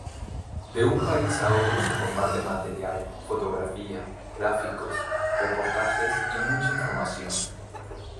De un país a otro se comparte material, fotografía, gráficos, reportajes y mucha información.